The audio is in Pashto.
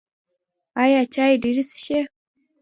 ایا چای ډیر څښئ؟